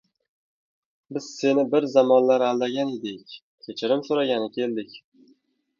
– Biz seni bir zamonlar aldagan edik, kechirim soʻragani keldik.